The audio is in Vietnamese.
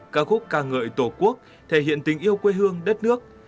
ca khúc ca ngợi tổ quốc thể hiện tình yêu quê hương đất nước